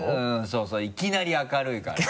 そうそういきなり明るいから。